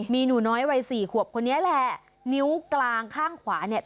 มีหนูน้อยวัยสี่ขวบคนนี้แหละนิ้วกลางข้างขวาเนี่ย